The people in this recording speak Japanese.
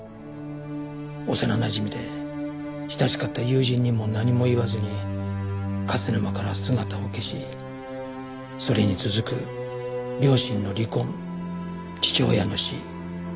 幼なじみで親しかった友人にも何も言わずに勝沼から姿を消しそれに続く両親の離婚父親の死母親の死。